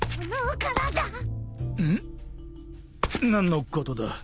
んっ？何のことだ。